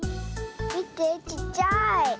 みてちっちゃい。